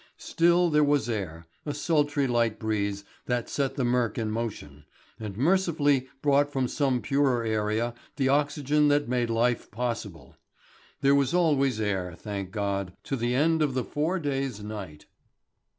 Still, there was air, a sultry light breeze that set the murk in motion, and mercifully brought from some purer area the oxygen that made life possible. There was always air, thank God, to the end of the Four Days' Night.